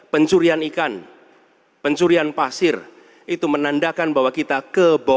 pencurian ikan pencurian pasir itu menandakan bahwa kita kebohongan